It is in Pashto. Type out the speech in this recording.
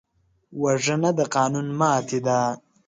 وژنه د قانون ماتې ده